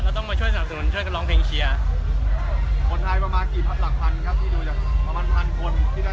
ต้องมาช่วยสนับสนุนช่วยกันร้องเพลงเชียร์คนไทยประมาณกี่พันหลักพันครับที่ดูจากประมาณพันคนที่ได้